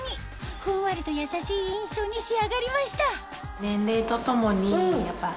ふんわりと優しい印象に仕上がりました